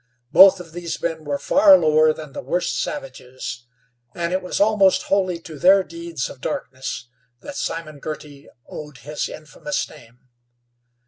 Both of these men were far lower than the worst savages, and it was almost wholly to their deeds of darkness that Simon Girty owed his infamous name.